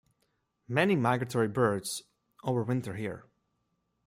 Many migratory birds over-winter here.